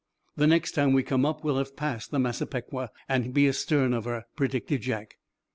"The next time we come up we'll have passed the 'Massapequa' and be astern of her," predicted Jack.